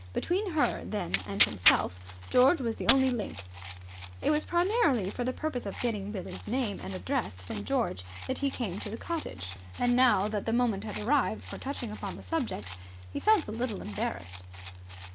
Between her, then, and himself George was the only link. It was primarily for the purpose of getting Billie's name and address from George that he had come to the cottage. And now that the moment had arrived for touching upon the subject, he felt a little embarrassed.